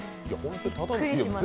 びっくりしました。